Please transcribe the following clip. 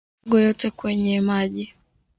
Loweka maharage yote kwemye maji